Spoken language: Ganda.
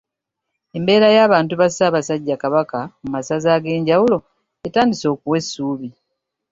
Embeera y'abantu ba Ssaabasajja Kabaka mu masaza ag'enjawulo etandise okuwa essuubi.